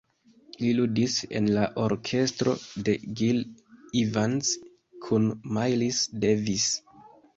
Li ludis en la orkestro de Gil Evans kun Miles Davis.